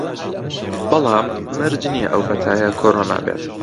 بەڵام مەرج نییە ئەو پەتایە کۆرۆنا بێت